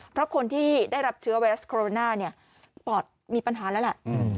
เพราะคนที่ได้รับเชื้อไวรัสโคโรนาเนี่ยปอดมีปัญหาแล้วแหละ